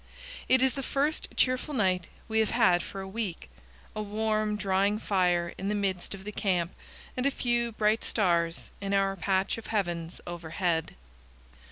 It is the first cheerful night we have had for a week a warm, drying fire in the midst of the camp, and a few bright stars in our patch of heavens overhead.